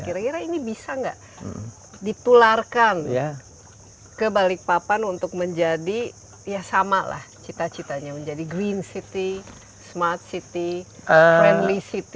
kira kira ini bisa nggak ditularkan ke balikpapan untuk menjadi ya sama lah cita citanya menjadi green city smart city friendly city